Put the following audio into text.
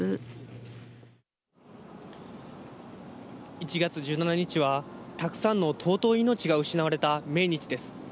１月１７日はたくさんの尊い命が失われた命日です。